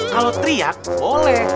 kalau teriak boleh